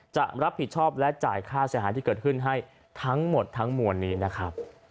จะรับผิดชอบและจ่ายค่าเสียหายที่เกิดขึ้นให้ทั้งหมดทั้งมวลนี้นะครับ